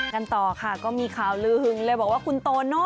กันต่อค่ะก็มีความคิดหญิงที่คุณโตโน้